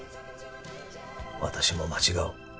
私も間違う。